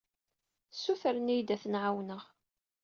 Ssutren-iyi-d ad ten-ɛawneɣ.